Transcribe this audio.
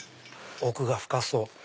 奥が深そう！